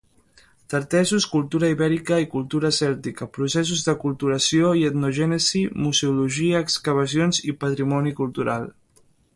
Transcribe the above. Tartessos, cultura Ibèrica i cultura Cèltica, processos d'Aculturació i etnogènesi, Museologia, excavacions i patrimoni cultural.